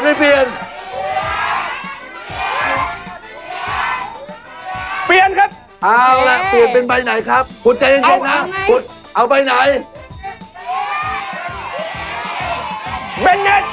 พ่อเพลิม